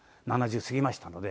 ７０過ぎましたので。